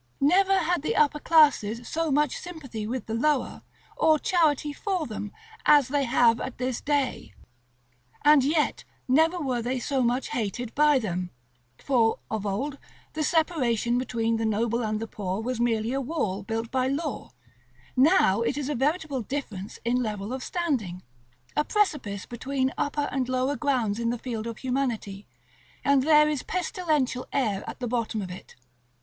Never had the upper classes so much sympathy with the lower, or charity for them, as they have at this day, and yet never were they so much hated by them: for, of old, the separation between the noble and the poor was merely a wall built by law; now it is a veritable difference in level of standing, a precipice between upper and lower grounds in the field of humanity and there is pestilential air at the bottom of it.